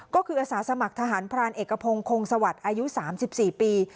ก็คืออาสาสมัครทหารพรานเอกพงศ์โครงสวรรค์อายุสามสิบสี่ปี